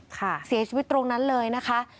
เสียชีวิตตรงนั้นเลยนะคะ